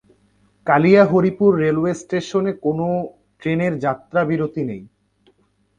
কালিয়া Haripur railway স্টেশনে কোনো ট্রেনের যাত্রাবিরতি নেই।